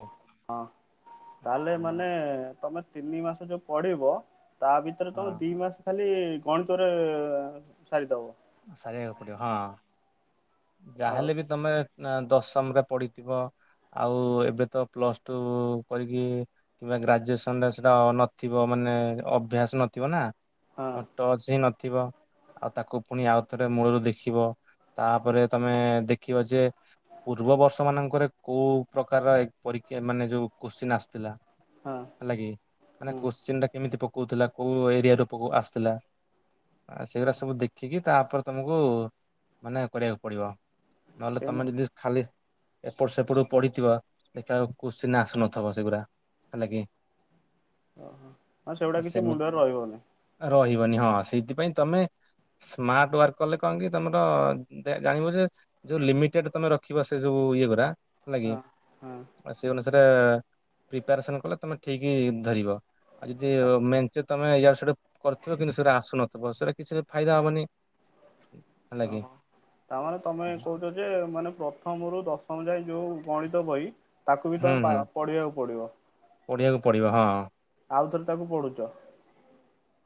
ହୁଁ, ହଁ ତାହେଲେ ମାନେ ତମେ ତିନି ମାସ ଯୋଉ ପଡିବ ତା ଭିତରେ ତମେ ହଁ ଦି ମାସ ଖାଲି ଗଣିତରେ ସାରିଦବ। ସାରିବାକୁ ପଡିବ ହଁ ଆଉ ଯାହାହେଲେ ବି ତମେ ନା ଦଶମରେ ପଢିଥିବ ଆଉ ଏବେ ତ ପ୍ଲସଟୁ କରିକି। କିମ୍ବା ଗ୍ରାଜୁଏସନ ରେ ସେଟା ନଥିବ ମାନେ ଅଭ୍ୟାସ ନଥିବ ନା ହଁ ତ ଟଚ ହିଁ ନଥିବ ଆଉ ତାକୁ ପୁଣି ଆଉ ଥରେ ମୂଳରୁ ଦେଖିବ ତାପରେ ତମେ ଦେଖିବ ଯେ ପୂର୍ବ ବର୍ଷ ମାନଙ୍କରେ କୋଉ ପ୍ରକାର ପରୀକ୍ଷା ମାନେ ଯୋଉ କୋଶ୍ଚିନ୍ ଆସିଥିଲା। ହଁ ହେଲାକି ମାନେ ହୁଁ କୋଶ୍ଚିନ୍ଟା କେମିତି ପକଉଥିଲା କୋଉ ଏରିଆରୁ ଆସୁଥିଲା ସେଗୁଡ଼ା ସବୁ ଦେଖ ଦେଖିକି ତାପରେ ତମକୁ ମାନେ କରିବାକୁ ପଡିବ ନହେଲେ ସେଇ ତମେ ଯଦି ଖାଲି ଏପଟ ସେପଟ ପଡିିଥିବ ଦେଖିଲାବେଳକୁ କୋଶ୍ଚିନ ଆସୁ ନଥିବ ସେଗୁଡା ହେଲାକି ଓହୋ ହଁ ସେଗୁଡା କିଛି ସେମିତି ମୁଣ୍ଡରେ ରହିବନି। ରହିବନି ହଁ ସେଇଥିପାଇଁ ତମେ ସ୍ମାର୍ଟୱାର୍କ କଲେ କଣ କି ତମର ଜାଣିବ ଯେ ଯୋଉ ଲିମିଟେଡ ତମେ ରଖିବ ସେବୁ ଯୋଉ ଇଏ ଗୁଡା ହେଲା କିି ହଁ ହଁ ଆଉ ସେ ଅନୁସାରେ ପ୍ରିପାରେସନ୍ କଲେ ତମେ ଠିକ୍ ଧରିବ। ଆଉ ଯଦି ମେଞ୍ଚେ ତମେ ଇଆଡ ସିଆଡୁ କରିଥିବ କିନ୍ତୁ ସେଟା ଆସୁନଥିବ ସେଇଟା କିଛି ଫାଇଦା ହବନି। ହେଲା କି ଓହୋ ତାମାନେ ତମେ କୋଉଚ ଯେ ଯେ ମାନେ ପ୍ରଥମରୁୁ ଦଶମ ଯାଏ ଯୋଉ ଗଣିତ ବହି ତାକୁ ବି ତମେ ପା ପଢିବାକୁ ପଡିବ। ପଢ଼ିବାକୁ ପଡ଼ିବ ହଁ। ଆଉ ଥରେ ତାକୁ ପଢୁଛ?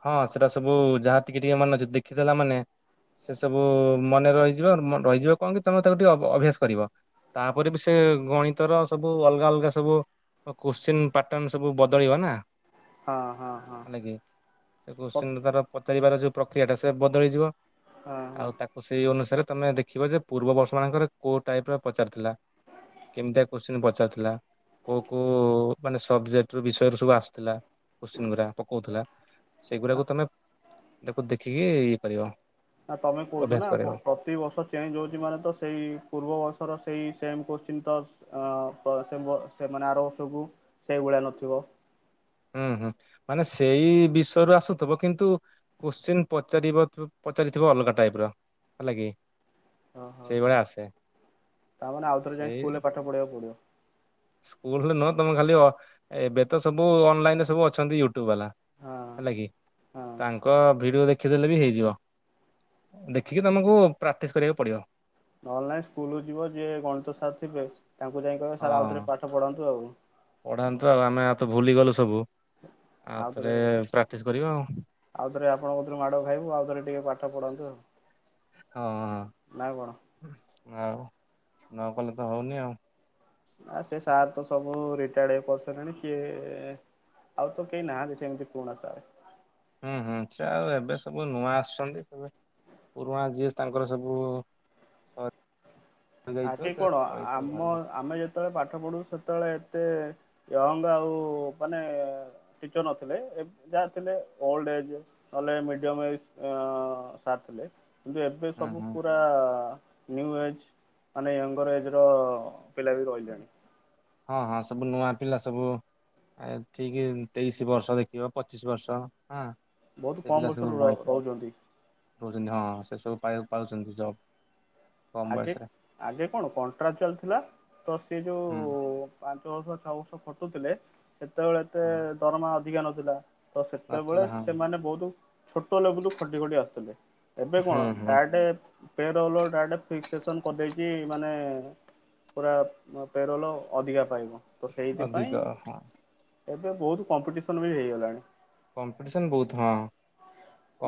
ହଁ ସେଟା ସବୁ ଯାହା ଟିକେ ଟିକେ ମନେଅଛି ଦେଖିଦେଲା ମାନେ ସେ ସବୁ ମନେ ରହିଯିବ ରହିଯିବ କଣ କି ତମେ ତାକୁ ଟିକେ ଅଭ୍ୟାସ କରିବ। ତାପରେ ବି ସେ ଗଣିତର ସବୁ ଅଲଗା ଅଲଗା ସବୁ କୋଶ୍ଚିିନ ପାଟନ ସବୁ ବଦଳିବ ନା। ହଁ ହଁ ହଁ। ହେଲା କିି ସେ କ୍ୱଶ୍ଚିନର ହଁ ତାର ପଚାରିବାର ଯୋଉଁ ପ୍ରକ୍ରିୟାଟା ସେ ବଦଳିଯିବ। ହଁ। ଆଉ ତାକୁ ଓ ସେଇ ଅନୁସାରେ ତମେ ଦେଖିବ ଯେ ପୂର୍ବର୍ଷ ମାନଙ୍କର କୋଉ ଟାଇପ ର ପଚାରିଥିଲା। କେମିତିଆ କୋଶ୍ଚିନ୍ ପଚାରିଥିଲା। କୋଉ କୋଉ ମାନେ ସବଜେକ୍ଟ ର ବିଷୟରୁୁ ସବୁ ଆସୁଥିଲା କୋଶ୍ଚିନ୍ ଗୁରା ପକୋଉଥିଲା। ସେଇଗୁଡାକୁ ତମେ ତାକୁ ଦେଖିକି ଇଏ କରିବ। ନା ତମେ କୋହୁଚ ଅଭ୍ୟାସ ନା ଆଉ କରିବ। କୋ କୋ ତି ବର୍ଷ ଚେଞ୍ଜ ହୋଉଚି ମାନେ ତ ସେଇ ପୂର୍ବର୍ଷର ସେଇ ସେମ୍ କୋଶ୍ଚିନ୍ ତ ଆ ଆ ପା ସେବ ସେମାନେ ଆର ବର୍ଷକୁ ସେଇଭଳିଆ ନଥିବ? ହୁଁ ହୁଁ ମାନେ ସେଇ ବିଷୟରୁ ଆସୁଥିବ କିନ୍ତୁ କୋଶ୍ଚିନ୍ ପଚାର ପ୍-ପଚାରିଥିବ ଅଲଗା ଟାଇପ ର ହେଲା କିି ଓହୋ। ସେଇଭଳିଆ ଆସେ। ତାମାନେ ଆଉଥରେ ଯାଇଁକି ସ୍କୁଲରେ ସେଇ ପାଠ ପଢିବାକୁ ପଡିବ? ସ୍କୁଲରେ ନୁହଁ ତମେ ଖାଲି ଅ ଏବେ ତ ସବୁ ଅନଲାଇନରେ ସବୁ ଅଛନ୍ତି ୟୁ ଟ୍ୟୁବ୍ ବାଲା ହଁ ହେଲା କି ହଁ ତାଙ୍କ ଭିଡିଓ ଦେଖ ଖି ଦେଲେ ବି ହେଇଯିବ ଦେଖିକି ତମକୁ ପ୍ରାକ୍ଟିସ କରିବାକୁ ପଡିବ। ନହେଲେ ନହିଁ ସ୍କୁଲ ଯିବ ଯିଏ ଗଣିତ ସାର୍ ଥିବେ ତାଙ୍କୁ ଯାଇ କହିବେ ସାର୍ ଆଉଥରେ ପାଠ ପଢ଼ାନ୍ତୁ ଆଉ। ପଢ଼ାନ୍ତୁ ଆଉ ଆମେ ଆଉ ତ ଭୁଲିଗଲୁ ସବୁ ଆଉ ଆଉଥରେ ଥରେ ପ୍ରାକ୍ଟିସ୍ କରିବା ଆଉ। ଆଉଥରେ ଆପଣଙ୍କତୁରୁ ମାଡ଼ ଖାଇବୁ ଆଉଥରେ ଟିକେ ପାଠ ପଢାନ୍ତୁ ଆଉ। ହଁଁ ହଁ। ନା ଆଉ କଣ? ଆଉ ନ ପଢିଲେ ତ ହୋଉନି ଆଉ। ନା ସେ ସାର୍ ତ ସବୁ ରିଟାୟାର୍ଡ କରିସାରିଲେଣି କିଏ ଆଉ ତ କେହି ନାହାନ୍ତି ସେମିତି ପୁରୁଣା ସାରେ। ହୁଁ ହୁଁ ସେ ଆଉ ଏବେ ସବୁ ନୂଆ ଆସିୁଛନ୍ତି ସେବେ ପୁରୁଣା ଜିଏ ତାଙ୍କର ସବୁ ସ ଆଗେ କଣ ଆମ ଘରକୁ ଆମେ ଯେତେବେଳେ ପାଠ ପଢୁ ସେତେବେଳେ ଏତେ ୟଙ୍ଗ ଆଉ ମାନେ ଟିଚର ନଥିଲେ ଯାହା ଥିଲେ ଓଲ୍ଡ ଏଜ। ନେହେଲେ ମିଡିୟମ ଏଜ୍ ସାର ଥିଲେ। କିନ୍ତୁ ଏବେ ହୁଁ ସବୁ ହୁଁ ପୁରା ନ୍ୟୁ ଏଜ୍। ମାନେ ୟଙ୍ଗର ଏଜ୍ ର ପିଲା ବି ରହିଲେଣି। ହଁ, ହଁ ସବୁ ନୂଆ ପିଲା ସବୁ ଆଠିକ ତେଇଶି ବର୍ଷ ଦେଖିବ ପଚିଶି ବର୍ଷ ହଁ। ବହୁତ ସେ ପିଲା କମ୍ ସବୁ ବର୍ଷରୁ ର ବାହାହେଇଥିବେ ରହୁଛନ୍ତି। ରହୁଛନ୍ତି ହଁ ସେ ସବୁ ପାଇ ପାଉଛନ୍ତି ଜବ୍। କମ ଆଗେ ବୟସରେ ଆଗେ କଣ କଣ୍ଟ୍ରାଚୁଆଲ୍ ଥିଲା ତ ସେ ହୁଁ ଯୋଉ ପାଞ୍ଚ ବର୍ଷ ଛଅ ବର୍ଷ ଖଟୁଥିଲେ ସେତେବେଳେ ଏତେ ହଁ ଦରମା ଅଧିକା ନଥିଲା ତ ସେତେବେଳେ ନଥିଲା ହଁ ସେମାନେ ବହୁତ ଛୋଟ ଲେବୁଲକୁ ଖଟି ଖଟି ଆସୁଥିଲେ। ଏବେ ହୁଁ କଣ ହୁଁ ଡିରେକ୍ଟ ପେ ଡ଼ାରେକ୍ଟ ଫିକ୍ସେସନ୍ କରିଦେଇଛି ମାନେ ପୁରା ପେରୋଲ ଅଧିକା ପାଇବ। ତ ସେଇଥିପାଇଁ ଅଧିକ ହଁ ଏବେ ବହୁତ କମ୍ପିଟିସନ ବି ହେଇଗଲାଣି। କମ୍ପିଟିସନ ବହୁତ ହଁ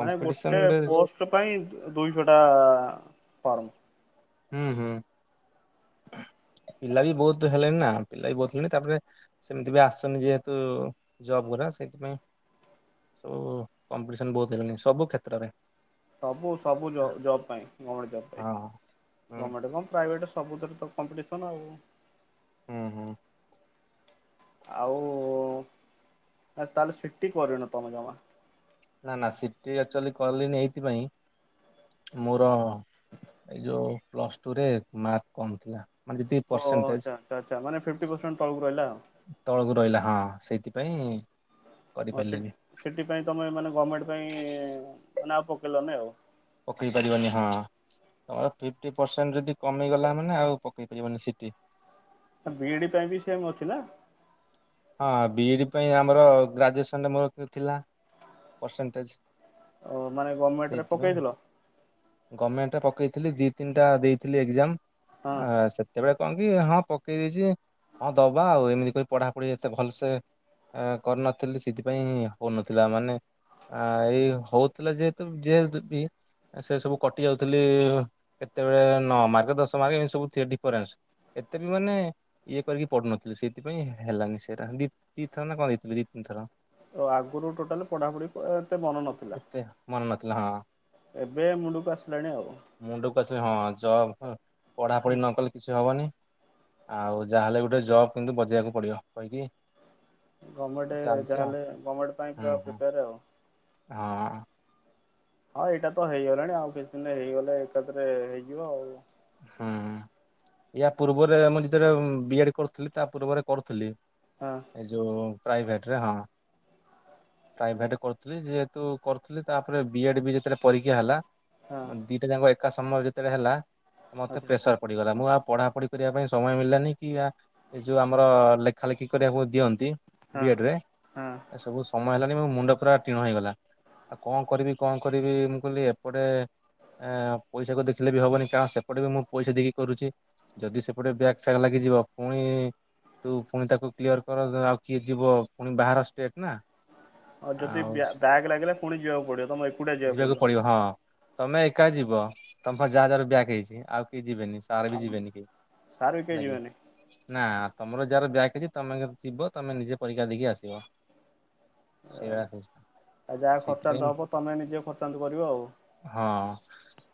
ମାନେ ଗୋଟେ ପୋଷ୍ଟ ପାଇଁ ଦୁଇଶହ ଟା ଫର୍ମ। ହୁଁ, ହୁଁ। ପିଲା ବି ବହୁତ ହେଲେଣି ନା ପିଲା ବି ବହୁତ ହେଲେଣି ତାପରେ ସେମିତି ବି ଆସୁନି ଯେହେତୁ ଜବ୍ ଗୁରା ସେଇଥିପାଇଁ ସବୁ କମ୍ପିଟିସନ ବହୁତ ହେଲେଣି ସବୁ କ୍ଷେତ୍ରରେ। ସବୁ ସବୁ ଲ ଜବ ପାଇଁ ହଁ ହୁଁ ଗୋଭମେଣ୍ଟ କଣ ପ୍ରାଇଭେଟ୍ ସବୁଥିରେ ତ କମ୍ପିଟିସନ୍ ଆଉ। ହୁଁ, ହୁଁ। ଆଉ ତାହେଲେ ସିଟି କରିନ ତମେ ଜମା? ନା ନା ସିଟି ଆକ୍ଚୁଆଲି କଲିନି ଏଇଥିପାଇଁ ମୋର ଏଇ ଯୋଉ ପ୍ଲସ ଟୁରେ ମାର୍କ କମ ଥିଲା। ମାନେ ଯେତିକି ଓ ପରସେଣ୍ଟେଜ। ଆଚ୍ଛା ଆଚ୍ଛା ଆଚ୍ଛା ମାନେ ଫିଫ୍ଟି ପରସେଣ୍ଟ ତଳକୁ ରହିଲା ଆଉ। ତଳକୁ ରହିଲା ହଁ ସେଇଥିପାଇଁ ହଁ ସେ କରିପାରିଲିନି ସେଥିପାଇ ତମେ ମାନେ ଗଭର୍ଣ୍ଣମେଣ୍ଟ ପାଇଁ ଆଉ ପକେଇଲନି ଆଉ। ପକେଇ ପାରିବନି ହଁ। ତମର ଫିଫ୍ଟି ପରସେଣ୍ଟ ଯଦି କମିଗଲା ମାନେ ଆଉ ପକେଇ ପାରିବନି ସିଟି। ବିଡି ପାଇଁ ବି ସେଏମ ଅଛି ନା? ହଁ ବିଏଡ଼ି ପାଇଁ ଆମର ଗ୍ରାଜୁଏସନ୍ ମୋର ଥିଲା ପରସେଣ୍ଟେଜ। ଓ ମାନେ ଗଭର୍ଣ୍ଣମେଣ୍ଟରେ ପକେଇଥିଲ? ଗଭର୍ଣମେଣ୍ଟ ପକେଇଥିଲି ଦି ତିନିଟା ଦେଇଥିଲି ହଁ ଏକ୍ଜାମ ଆ ସେ ତେବେ କଣ କି ହଁ ପକେଇ ଦେଇଛି ହଁ ଦବା ଆଉ ଏମିତି କରି ପଢ଼ାପଢ଼ି ଏତେ ଭଲସେ ଏ କରିନଥିଲି ସେଥିପାଇଁ ହଉନଥିଲା ମାନେ ଆ ଏଇ ହଉଥିଲା ଯେହେତୁ ଯେ ଦେବି ସେ ସବୁ କଟି ଯାଉଥିଲି କେତେବେଳେ ନଅ ମାର୍କ ଦଶ ମାର୍କ ଏମିତି ସବୁ ଏ ଡିଫରେନ୍ସ ଏତେ ବି ମାନେ ଇଏ କରିକି ପଢ଼ୁନଥିଲି ସେଇଥିପାଇଁ ହେଲାନି ସେଇଟା ଦି ଦିଥର ନା କଣ ଦେଇଥିଲି ଦି ତିିନି ଥର। ଓ ଆଗରୁ ଟୋଟାଲି ପଢ଼ାପଢ଼ି ଏତେ ମନ ନଥିଲା। ମନ ନଥିଲା ହଁ। ଏବେ ମୁଣ୍ଡକୁ ଆସିଲାଣି ଆଉ। ମୁଣ୍ଡକୁ ଆସିଲି ହଁ ଜବ ପଢ଼ାପଢ଼ି ନ କଲେ କିଛି ହବନି ଆଉ ଯାହାହେଲେ ଗୋଟେ ଜବ୍ କିନ୍ତୁ ବଜେଇବାକୁ ପଡ଼ିବ କହିକି ଗଭର୍ଣ୍ଣମେଣ୍ଟ ଚାଲିଛି ଆଉ ଯାହେଲେ ଗଭର୍ଣ୍ଣମେଣ୍ଟ ପାଇଁ ହୁଁ ପୁରା ହୁଁ ପ୍ରିପେୟାର ଆଉ। ହଁ। ହଁ ଏଇଟା ତ ହେଇଗଲାଣି ଆଉ କିଛି ଦିନ ହେଇଗଲେ ଏକାଥରେ ହେଇଯିବ ଆଉ। ହୁଁ ୟା ପୂର୍ବରେ ମୁଁ ଯେତେବେଳେ ବି ଏଡ କରୁଥିଲି ତା ପୂର୍ବରେ କରୁଥିଲି ଆଁ। ଏ ଯୋ ପ୍ରାଇଭେଟରେ ହଁ। ପ୍ରାଇଭେଟ କରୁଥିଲି ଯେହେତୁ କରୁଥିଲି ତାପରେ ବି ଏଡ୍ ବି ଯେତେବେଳେ ପରୀକ୍ଷା ହେଲା ହଁ। ଦିଟା ଯାଙ୍କ କ ଏକା ସମୟରେ ଯେତେବେଳେ ହେଲା ମତେ ଆଚ୍ଛା ପ୍ରେସର ପଡିଗଲା ମୁଁ ଆଉ ପଢାପଢି କରିବା ପାଇଁ ସମୟ ମିଳିଲାନି କି ଆ ଏ ଯୋଉ ଆମର ଲେଖା ଲେଖି କରିବାକୁ ଦିଅନ୍ତି ହଁ ବି ଏଡ ରେ ହଁ ଏ ସବୁ ସମୟ ହେଲାନି ମୋ ମୁଣ୍ଡ ପୁରା ଟିଣ ହେଇଗଲା। ଆଉ କଣ କରିବି କଣ କରିବି ମୁଁ କହିଲି ଏପଟେ ଏ ଏଁ ପଇସାକୁ ଦେଖିଲେ ବି ହେବନି କାରଣ ସେ ସେପଟେ ବି ମୁଁ ପଇସା ଦେଇକି କରୁଚି ଯଦି ସେପଟେ ବ୍ୟାଗ୍ ଫ୍ୟାଗ୍ ଲାଗିଯିବ ପୁଣି ଇ ତୁ ପୁଣି ତାକୁ କ୍ଲିୟର କର ଆଉ କିଏ ଯିବ ପୁଣି ବାହାର ଷ୍ଟେଟ ନା ଆଉ ଯଦି ବ୍ୟା ବ୍ୟାକ ଲାଗିଲା ପୁଣି ଯିବାକୁ ପଡିବ ତମ ଯିବାକୁ ପଡିବ ହଁ ତମେ ଏକା ଯିବ ତମ ପା ଯାହା ଯାର ବ୍ୟାକ୍ ହେଇଛି ଆଉ କିହି ଯିବେନି। ସାର ବି ଆଉ ଯିବେନି କେହି ସାର୍ ବି କେହି ହେଲା କି। ଯିବେନି ନା ତମର ଯାହାର ବ୍ୟାକ ଅଛି ତମେ ଯିବ ତମେ ନିଜେ ପରୀକ୍ଷା ଦେଇକି ଆସିବ। ଆଉ ସେଇଭଳିଆ [unintelligible] ଯାହା ଖର୍ଚ୍ଚାନ୍ତ ସେଇଥିପାଇଁ ହବ ତମେ ନିଜେ ଖର୍ଚ୍ଚାନ୍ତ କରିବ ଆଉ। ହଁ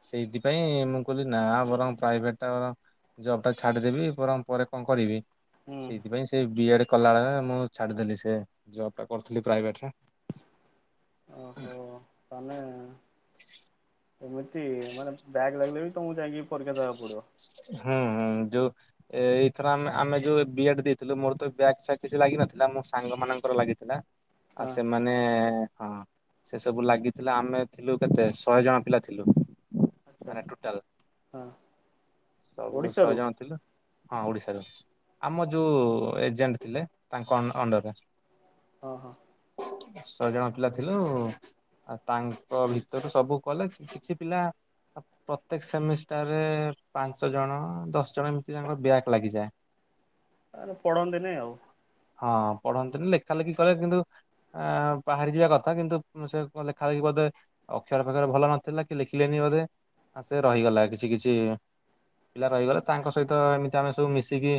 ସେଇଥିପାଇଁ ମୁଁ କହିଲି ନା ବରଂ ପ୍ରାଇଭେଟ ଜବ୍ ଟା ଛାଡିଦେବି ବରଂ ପରେ କଣ କରିବି ହୁଁ ସେଇଥିପାଇଁ ସେ ବି ଏ ଡ କଲା ବେଳେ ମୁଁ ଛାଡିଦେଲି ସେ ଜବ ଟା କରୁଥିଲି ପ୍ରାଇଭେଟରେ। ଓହୋ ତାହେଲେ ଏମିତି ମାନେ ବ୍ୟାଗ୍ ଲାଗିଲେ ବି ତମକୁ ଯାଇକି ପରୀକ୍ଷା ଦେବାକୁ ପଡିବ। ହୁଁ ହୁଁ ଯୋଉ ଏ ଏଇଥର ଆମେ ଆମେ ଯୋଉ ବି ଏଡ୍ ଦେଇଥିଲୁ ମୋର ତ ବ୍ୟାକ ଫ୍ୟାକ କିଛି ଲାଗିନଥିଲା, ମୋ ସାଙ୍ଗମାନଙ୍କର ଲାଗିଥିଲା ହଁ ଆଉ ସେମାନ ନେ ହଁ ସେ ସବୁ ଲାଗିଥିଲା ଆମେ ଥିଲୁ କେତେ ଶହେ ଜଣ ପିଲାଥିଲୁ। ଆଚ୍ଛା, ହଁ। ସବୁ ଓଡ଼ିଶାରୁ ଶହେ ଜଣ ଥିଲୁ, ହଁ ଓଡ଼ିଶାରୁ। ଆମ ଯୋଉ ଏଜେଣ୍ଟ ଥିଲେ ତାଙ୍କ ଅନ ଅଣ୍ଡରରେ। ହଁ ହଁ। ଶହେ ଜଣ ପିଲା ଥିଲୁ ଆଉ ତାଙ୍କ ଭିତରୁ ସବୁ କଲେ କିଛି ପିଲା ଅ ପ୍ରତ୍ୟେକ ସେମିଷ୍ଟାରରେ ପାଞ୍ଚ ଜଣ ଦଶ ଜଣ ଏମତି ତାଙ୍କର ବ୍ୟାକ୍ ଲାଗିଯାଏ। ତାହାଲେ ପଢନ୍ତି ନାଇଁ ଆଉ। ହଁ ପଢନ୍ତିନି ଲେଖା ଲେଖି କଲେ କିନ୍ତୁ ଆ ବାହାରିଯିବା କଥା କିନ୍ତୁ ସେ ଲେଖା ଲେଖି ବୋଧେ ଅକ୍ଷର ଫକ୍ଷର ଭଲ ନଥିଲା କି ଲେଖିଲେନି ବୋଧେ ଆ ସେ ରହିଗଲା କିଛି କିଛି ପିଲା ରହିଗଲେ, ତାଙ୍କ ସହିତ ଏମିତି ଆମେ ସବୁ ମିଶିକି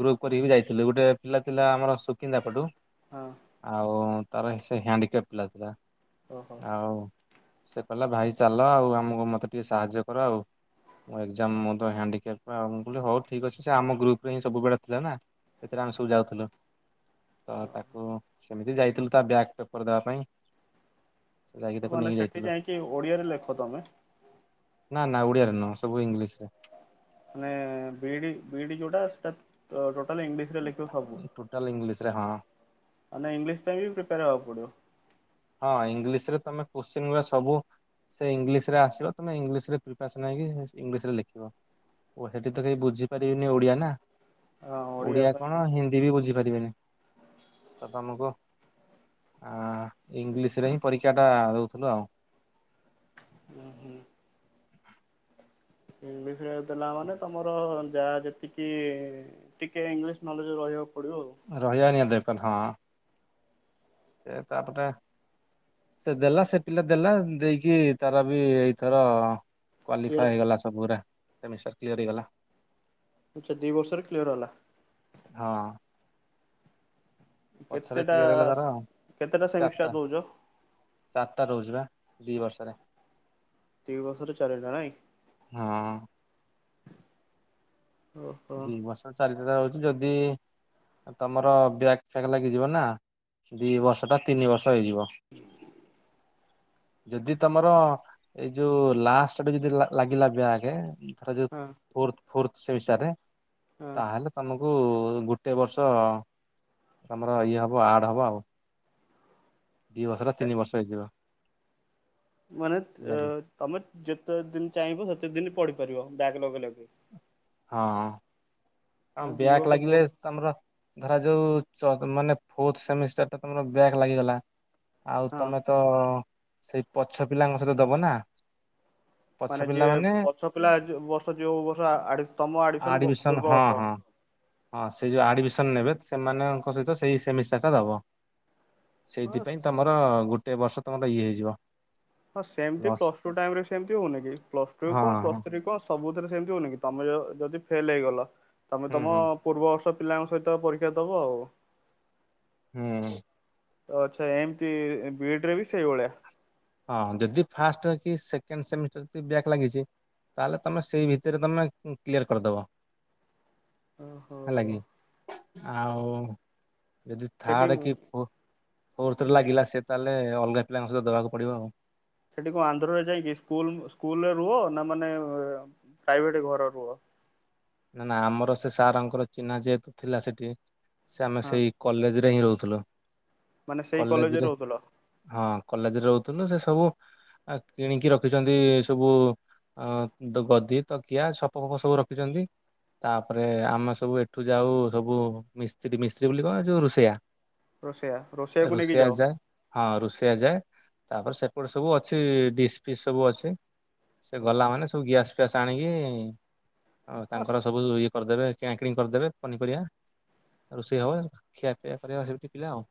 ଗ୍ରୁପ୍ କରିକି ବି ଯାଇଥିଲୁ, ଗୋଟେ ପିଲା ଥିଲା ଆମର ସୁକିନ୍ଦା ପଟୁ। ହଁ। ଆଉ ତାର ସେ ହ୍ୟାଣ୍ଡିକେପ୍ଟ ପିଲା ଥିଲା ଓହୋ ଆଉ ସେ କହିଲା ଭାଇ ଚାଲ ଆଉ ଆମକୁ ମୋତେ ଟିକିଏ ସାହାଯ୍ୟ କର ଆଉ। ମୋ ଏକ୍ଜାମ ମୁଁ ତ ହ୍ୟାଣ୍ଡିକେପ୍ଟ ଆଉ, ମୁଁ କହିଲି ହଉ ଠିକ୍ ଅଛି ସେ ଆମ ଗ୍ରୁପରେ ହିଁ ସବୁବେେଳେ ଥିଲା ନା। ସେଥିରେ ଆମେ ସବୁ ଯାଉଥିଲୁ ତ ତାକୁ ଏମିତି ଯାଇଥିଲୁ ତା ବ୍ୟାକ୍ ପେପର [unintelligible] ପାଇଁ। ଯାଇକି ଓ ତାକୁ ମାନେ ନେଇକି ସେଠି ଯାଇଥିଲୁ ଯାଇଁକି ଓଡିଆରେ ଲେଖ ତମେ? ନା ନା ଓଡିଆରେ ନୁହଁ ସବୁ ଇଂଲିଶ୍ ରେ। ମାନେ ବିଇଡି ବିଇଡି ଯୋଉଟା ସେଟା [unintelligible] ଟୋଟାଲ୍ ଇଂଲିଶ୍ ରେ ଲେଖିବ ସବୁ? ଟୋଟାଲ୍ ଇଂଲିଶ୍ ରେ ହଁ। ମାନେ ଇଂଲିଶ୍ ପାଇଁ ବି ପ୍ରିପାର ହବାକୁ ପଡିବ। ହଁ ଇଂଲିଶ୍ ରେ ତମେ କୋଶ୍ଚିନ୍ [unintelligible] ସବୁ ସେ ଇଂଲିଶ୍ ରେ ଆସିବ ତମେ ଇଂଲିଶ୍ ରେ ପ୍ରିପାରସନ୍ ହେଇକି ଇଂଲିଶ୍ ରେ ଲେଖିବ। ଓ ସେଠି ତ କେହି ବୁଝିପାରିବେନି ଓଡିଆ ନା ହଁ ଓଡ଼ିଆ ଓଡିଆ ପାଇଁ କଣ ହିନ୍ଦ୍ ଦି ବି ବୁଝିପାରିବେନି ତ ତମକୁ ଆ-ଆ ଇଂଲିଶ୍ ରେ ହିଁ ପରୀକ୍ଷାଟା ଦଉଥୁଲୁ ଆଉ। ହୁଁ-ହୁଁ ଇଂଲିଶ୍ ରେ ଦେଲା ମାନେ ତମର ଯାହା ଯେତିକି ଟିକେ ଇଂଲିଶ୍ ନଲେଜ ରହିଆକୁ ପଡିବ ଆଉ। ରହିଆ ନିିହାତି [unintelligible] ହଁ। ସେ ତାପଟେ ସେ ଦେଲା ସେ ପିଲା ଦେଲା ଦେଇକି ତାର ବି ଏଇଥର କ୍ଲିୟର କ୍ୱାଲିଫାଏ ହେଇଗଲା ସବୁ ଉରା ସେମି [unintelligible] କ୍ଲିୟର୍ ହେଇଗଲା। ଆଚ୍ଛା ଦି ବର୍ଷରେ କ୍ଲିୟର ହେଲା। ହଁ। ପଛରେ କ୍ଲିୟର ହେଇଗଲା ତାର କେତେଟାସ୍ ଆଉ। କେତେଟା ସେମିଷ୍ଟାର୍ ଦଉଚ? ଚାର୍ ଟା ରହୁଚି ବା ଦି ବର୍ଷରେ। ଦି ବର୍ଷ ରେ ଚାରି ଟା ନାଇଁ? ହଁ। ଓହୋ ଦି ବର୍ଷ ଚାରିଟା [unintelligible] ଯଦି ତମର ବ୍ୟାକ୍ ଫ୍ୟାକ୍ ଲାଗିଯିବ ନା ଦି ବର୍ଷ ଟା ତିନି ବର୍ଷ ହେଇଯିବ। [inaudible] ଯଦି ତମର ଏଇ ଯୋଉ ଲାଷ୍ଟ [unintelligible] ଯଦି ଲା ଲାଗିଲା ବ୍ୟାକେ ତାର ଯୋଉ ହଁ ଫୋର୍ଥ ଫୋର୍ଥ ସେମିଷ୍ଟାର୍ ରେ ହଁ ତାହେଲେ ତମକୁ ଗୁଟେ ବର୍ଷ ତମର ଇଏ ହବ ଆଡ଼୍ ହବ ଆଉ। ଦି ବର୍ଷ ଟା ତିନି ବର୍ଷ ହେଇଯିବ। ମାନେ ତ୍ ଅ ହେଲାକି ତମେ ଯେତେ ଦିନ୍ ଚାହିଁବ ସେତେ ଦିନ୍ ପଢିପାରିବ ବ୍ୟାକ୍ ଲଗେଇ ଲଗେଇ। ହଁ ଅଁ ମାନେ ଦୁଇ ବ୍ୟାକ୍ ବର୍ଷ କୋର୍ସ ଲାଗିଲେସ୍ ତମର ଧରା ଯଉ ଚ ମାନେ ଫୋର୍ଥ ସେମିଷ୍ଟାର୍ ଟା ତମର ବ୍ୟାକ୍ ଲାଗିଗଲା ଆଉ ହଁ ତମେ ତ ସେଇ ପଛ ପିଲାଙ୍କ ସହିତ ଦବ ନା। ପଛ ମାନେ ପିଲା ଯିଏ ପଛ ପିଲା [unintelligible] ବର୍ଷ ଯୋଉ ବର୍ଷ ଆଡ଼୍ ତମ ଆଡ଼ମିସନ ଆଡମିସନ ପୂର୍ବ ହଁ ବର୍ଷ। ହଁ ହଁ ସେ [unintelligible] ଆଡ଼ମିସନ୍ ନେବେ ସେମାନଙ୍କ ସହିତ ସେଇ ସେମିଷ୍ଟାରଟା ଦବ। ବାସ୍ ସେଇଥିପାଇଁ ତମର ଗୁଟେ ବର୍ଷ ତମର ଇଏ ହେଇଯିବ। ହଁ ସେମ୍ତି ଲସ୍ ପ୍ଲସ୍ ଟୁ ଟାଇମ୍ ରେ ବି ସେମ୍ତି ହଉନି କି ପ୍ଲସ୍ ଟୁ ହଁ କଁ ହଁ ପ୍ଲସ୍ ଥ୍ରୀ କଁ ସ୍ ସବୁଥିରେ ସେମ୍ତି ହଉନି କି ତମେ ଯ ଯଦି ଫେଲ୍ ହେଇଗଲ ତମେ ହୁଁ ତମ ହୁଁ ପୂର୍ବବର୍ଷ ପିଲାଙ୍କ ସହିତ ପରୀକ୍ଷା ଦବ ଆଉ। ହୁଁ। ତ ଆଚ୍ଛା ଏମ୍ତି ବିଇଡ଼ିରେ ବି ସେଇ ଭଳିଆ। ହଁ ଯଦି ଫାଷ୍ଟକି ସେକେଣ୍ଡ ସେମିଷ୍ଟାର ଯଦି ବ୍ୟାକ୍ ଲାଗିଚି ତାହେଲେ ତମେ ସେଇ ଭିତରେ ତମେ କ୍ଲିୟର କରିଦବ। ଓହୋ। ହେଲାକିି ଆଉ ଯଦି ସେଠି ଥାର୍ଡକି ଫୋ ଫୋର୍ଥରେ ନାଇଁ ଲାଗିଲାସେ ତାହେଲେ ଅଲଗା ପିଲାଙ୍କ ସହିତ ଦେବାକୁ ପଡ଼ିବ ଆଉ। ସେଠି କଣ ଆନ୍ଧ୍ରରେ ଯାଇକି ସ୍କୁଲ୍ ସ୍କୁଲରେ ରୁହ ନା ମାନେ ପ୍ରାଇଭେଟ୍ ଘର ରୁହ? ନା ନା ଆମର ସେସାରଙ୍କର ଚିହ୍ନା ଯେହେତୁ ଥିଲା ସେଠି ସେଆମେ ହଁ ସେଇ କଲେଜରେ ହିଁ ରହୁଥୁଲୁ ମାନେ ସେଇ କଲେଜରେ ରହୁଥିଲ ହଁ କଲେଜରେ ରହୁଥୁଲୁ ସେସବୁ ଏ କିଣିକି ରଖିଚନ୍ତି ସବୁ ଅଁ ଗଦି, ତକିଆ, ସପ ଫପ ସବୁ ରଖିଚନ୍ତି। ତାପରେ ଆମେ ସବୁ ଏଠୁ ଯାଉ ସବୁ ମିସ୍ତ୍ରୀ ମିସ୍ତ୍ରୀ ବୋଲି କଣ ଯଉ ରୋଷେଇଆ ରୋଷେଇଆ ରୋଷେଇଆକୁ ନେଇକି ରୋଷେଇଆ ଯାଅ ଯାଏ। ହଁ ରୋଷେଇଆ ଯାଏ ତାପରେ ସେପଟେ ସବୁ ଅଛି ଡିସ୍ ଫିସ୍ ସବୁ ଅଛି। ସେ ଗଲା ଓହୋ। ମାନେ ସବୁ ଗ୍ୟାସ୍ ଫ୍ୟାସ୍ ଆଣିକି ହଁ ତାଙ୍କର ସବୁ ଇଏ କରିଦେବେ କିଣାକିଣି କରିଦେବେ ପନିପରିବା ରୋଷେଇ ହବ ଖିଆପିଆ କରିବା ସେମିତି ପିଲା ଆଉ।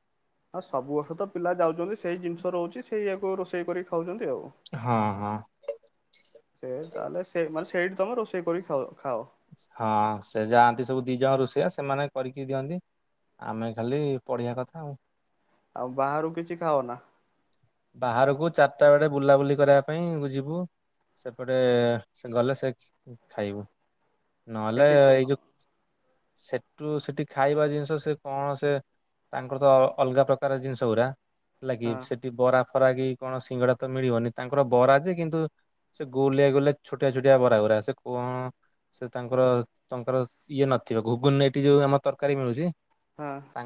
ହଁ ସବୁ ବର୍ଷତ ପିଲା ଯାଉଚନ୍ତି ସେଇ ଜିନିଷ ରହୁଚି ସେଇୟାକୁ ରୋଷେଇ କରି ଖାଉଚନ୍ତି ଆଉ। ହଁ ହଁ। ସେ ତାହେଲେ ସେ ମାନେ ସେଇଠି ତମ ରୋଷେଇ କରି ଖଅ ଖାଅ। ହଁ ସେ ଯାଆନ୍ତି ସବୁ ଦି ଜଣ ରୋଷେଇଆ ସେମାନେ କରିକି ଦିଅନ୍ତି। ଆମେ ଖାଲି ପଢ଼ିବା କଥା ଆଉ। ଆଉ ବାହାରୁ କିଛି ଖାଅନା? ବାହାରକୁ ଚାରଟା ବେଳେ ବୁଲାବୁଲି କରିବା ପାଇଁ ଯିବୁ। ସେପଟେ ସେ ଗଲେ ସେ ଖାଇବୁ। ନହେଲେ ସେଠି ଏଇ କଣ ଯୋ ସେଠୁ ସେଠି ଖାଇବା ଜିନିଷ ସେ କଣ ସେ ତାଙ୍କରତ ଅ ଅଲଗା ପ୍ରକାର ଜିନିଷ ଗୁରା। ହଁ ଲାଗିବ୍ ସେଠି ବରା ଫରା କି କଣ ସିଙ୍ଗଡ଼ାତ ମିଳିବନି ତାଙ୍କର ବରାଯେ କିନ୍ତୁ ସେ ଗୋଲିଆ ଗୋଲିଆ ଛୋଟିଆ ଛୋଟିଆ ବରା ଗୁରା ସେ କ ସେ ତାଙ୍କର ତାଙ୍କର ଇଏ ନଥିବ ଘୁଗୁନରେ ଏଠି ଯଉ ଆମ ତରକାରୀ ମିଳୁଚି ହଁ।